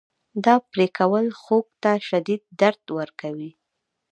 دا پرې کول خوک ته شدید درد ورکوي.